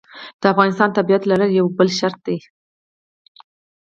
د افغانستان تابعیت لرل یو بل شرط دی.